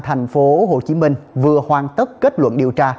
tp cn vừa hoàn tất kết luận điều tra